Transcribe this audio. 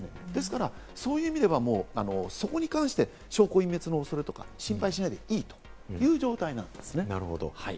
そういう意味では、そこに関して、証拠隠滅の恐れとか心配しないでいいという状態なんですね。